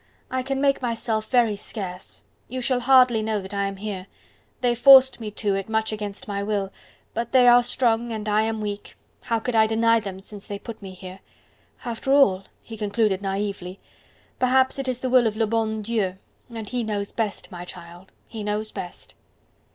I can make myself very scarce; you shall hardly know that I am here. They forced me to it much against my will.... But they are strong and I am weak, how could I deny them since they put me here. After all," he concluded naively, "perhaps it is the will of le bon Dieu, and He knows best, my child, He knows best."